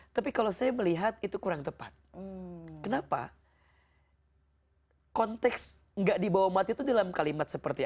tapi kalau saya melihat itu kurang tepat kenapa konteks enggak dibawa mati itu dalam kalimat seperti